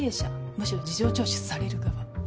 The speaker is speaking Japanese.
むしろ事情聴取される側。